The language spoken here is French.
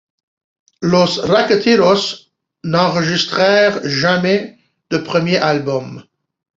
Los Racketeeros n'enregistrèrent jamais de premier album.